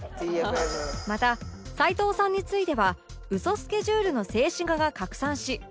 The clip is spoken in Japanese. また齊藤さんについてはウソスケジュールの静止画が拡散し